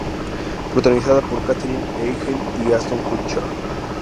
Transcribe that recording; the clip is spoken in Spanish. Protagonizada por Katherine Heigl y Ashton Kutcher.